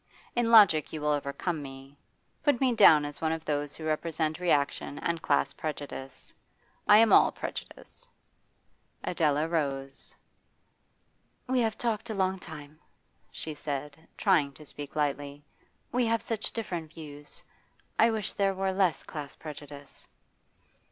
In logic you will overcome me. Put me down as one of those who represent reaction and class prejudice. I am all prejudice.' Adela rose. 'We have talked a long time,' she said, trying to speak lightly. 'We have such different views. I wish there were less class prejudice.